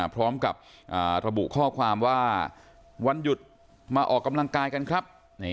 พร้อมกับระบุข้อความว่าวันหยุดมาออกกำลังกายกันครับ